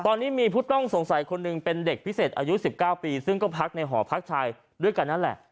ตอนนี้มีผู้ต้องสงสัยคนหนึ่งเป็นเด็กพิเศษอายุ๑๙ปีซึ่งก็พักในหอพักชายด้วยกันนั่นแหละ